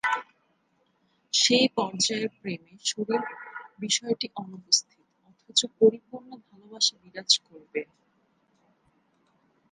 সেই পর্যায়ের প্রেমে শরীর বিষয়টি অনুপস্থিত, অথচ পরিপূর্ণ ভালোবাসা বিরাজ করবে।